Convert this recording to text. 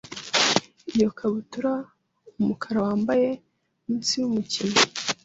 Iyo kabutura umukara wambaye munsi yumukino